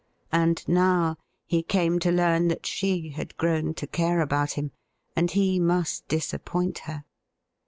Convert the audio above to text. And now he came to learn that she had grown to care about him — and he must disappoint her.